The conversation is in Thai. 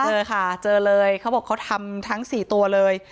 เจอค่ะเจอเลยเขาบอกเขาทำทั้ง๔ตัวเลย